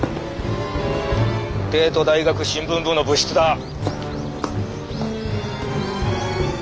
帝都大学新聞部の部室だ。